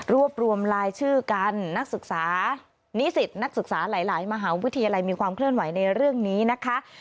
รวมลายชื่อกันนักศึกษานิสิตนักศึกษาหลายมหาวิทยาลัยมีความเคลื่อนไหวในเรื่องนี้นะคะ